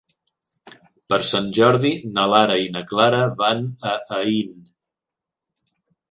Per Sant Jordi na Lara i na Clara van a Aín.